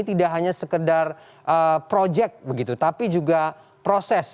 tidak hanya sekedar proyek begitu tapi juga proses